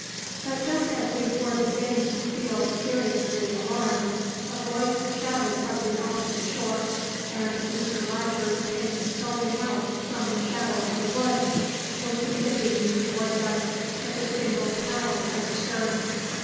But just as we were beginning to feel seriously alarmed a voice shouted from the opposite shore, and Mr. Rogers came sculling out from the shadow of the woods, working the dinghy towards us with a single paddle overstern.